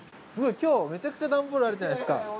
今日めちゃくちゃ段ボールあるじゃないですか！